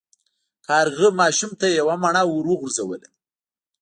کارغه ماشوم ته یوه مڼه وغورځوله.